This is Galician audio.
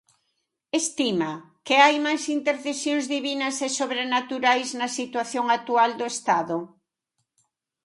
Estima que hai máis intercesións divinas e sobrenaturais na situación actual do Estado?